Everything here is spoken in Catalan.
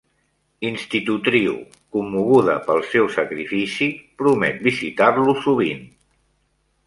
Institutriu, commoguda pel seu sacrifici, promet visitar-lo sovint.